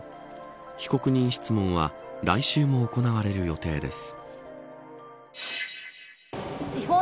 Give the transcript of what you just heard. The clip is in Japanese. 被告人質問は来週も行われる予定です。